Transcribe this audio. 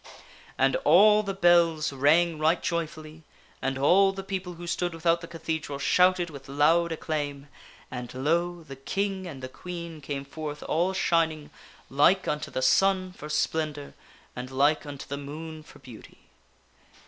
S* And all the bells rang right joyfully, and all the people who stood without the cathedral shouted with loud acclaim, and lo ! the King and the Queen came forth all shining, like unto the sun for splendor and like unto the moon for beauty.